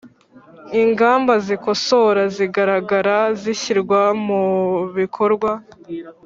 ingamba zikosora zigaragara zishyirwa mubikorwa